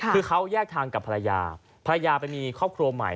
คือเขาแยกทางกับภรรยาภรรยาไปมีครอบครัวใหม่